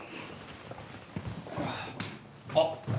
あっ！？